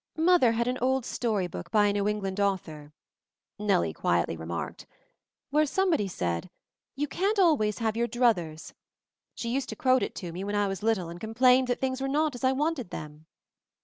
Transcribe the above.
"Mother had an old story book by a New England author," Nellie quietly remarked, "where somebody said, 'You can't always have your "druthers" '— she used to quote it to me when I was little and complained that things were not as I wanted them.